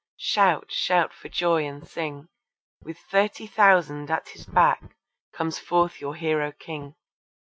shout, shout for joy and sing! With thirty thousand at his back comes forth your hero King.